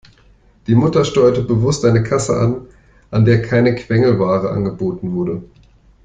Die Mutter steuerte bewusst eine Kasse an, an der keine Quengelware angeboten wurde.